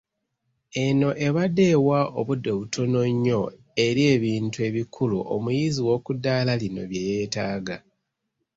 Eno ebadde ewa obudde butono nnyo eri ebintu ebikulu omuyizi w’okuddaala lino bye yeetaaga.